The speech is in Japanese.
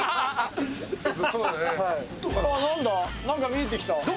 何か見えてきた。